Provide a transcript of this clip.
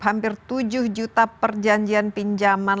hampir tujuh juta perjanjian pinjaman